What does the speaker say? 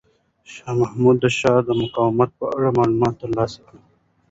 شاه محمود د ښار د مقاومت په اړه معلومات ترلاسه کړل.